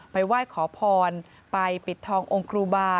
ไหว้ขอพรไปปิดทององค์ครูบา